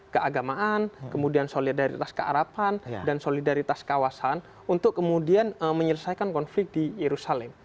keagamaan kemudian solidaritas kearapan dan solidaritas kawasan untuk kemudian menyelesaikan konflik di yerusalem